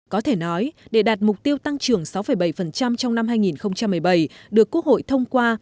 có thể nói để đạt mục tiêu tăng trưởng sáu bảy trong năm hai nghìn một mươi bảy được quốc hội thông qua